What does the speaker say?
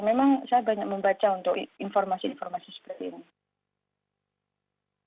memang saya banyak membaca untuk informasi informasi seperti ini